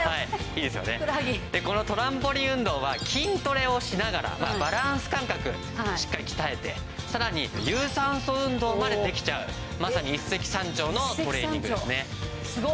でこのトランポリン運動は筋トレをしながらバランス感覚しっかり鍛えてさらに有酸素運動までできちゃうまさに一石三鳥のトレーニングですね。